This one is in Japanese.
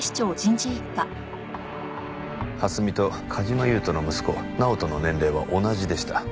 蓮見と梶間優人の息子直人の年齢は同じでした。